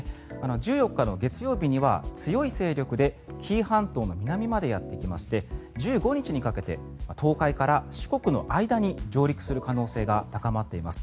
１４日の月曜日には強い勢力で紀伊半島の南までやってきまして１５日にかけて東海から四国の間に上陸する可能性が高まっています。